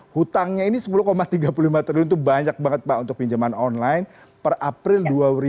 hutangnya ini sepuluh tiga puluh lima triliun itu banyak banget pak untuk pinjaman online per april dua ribu dua puluh